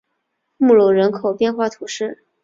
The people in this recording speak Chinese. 穆龙人口变化图示